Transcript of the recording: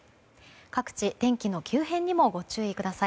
各地、天気の急変にもご注意ください。